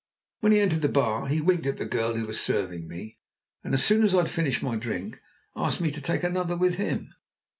When he entered the bar he winked at the girl who was serving me, and as soon as I'd finished my drink asked me to take another with him.